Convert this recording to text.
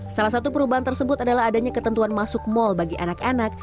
salah satu perubahan tersebut adalah adanya ketentuan masuk mal bagi anak anak